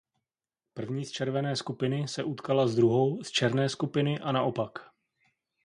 První z červené skupiny se utkala s druhou z černé skupiny a naopak.